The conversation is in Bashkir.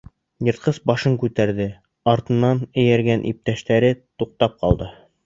Йыртҡыс башын күтәрҙе, артынан эйәргән иптәштәре туҡтап ҡалды.